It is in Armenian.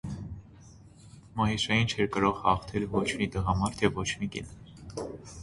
Մահիշային չէր կարող հաղթել ոչ մի տղամարդ, և ոչ մի կին։